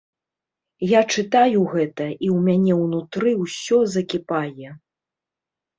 Я чытаю гэта, і ў мяне ўнутры ўсё закіпае.